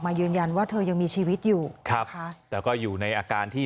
ยืนยันว่าเธอยังมีชีวิตอยู่ครับค่ะแต่ก็อยู่ในอาการที่